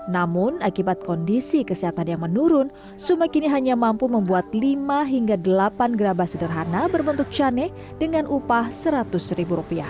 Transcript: namun ekibat kondisi kesehatan yang menurun suma kini hanya mampu membuat lima hingga delapan gerabah sederhana berbentuk canik dengan upah seratus ribu rupiah